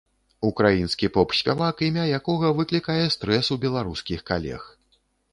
Украінскі поп-спявак, імя якога выклікае стрэс у беларускіх калег.